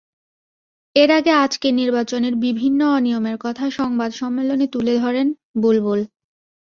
এর আগে আজকের নির্বাচনের বিভিন্ন অনিয়মের কথা সংবাদ সম্মেলনে তুলে ধরেন বুলবুল।